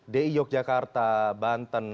di yogyakarta banten